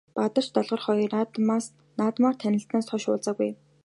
Бадарч Долгор хоёр наадмаар танилцсанаас хойш уулзаагүй.